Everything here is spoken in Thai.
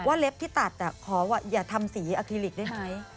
เล็บที่ตัดขออย่าทำสีอาคิลิกได้ไหม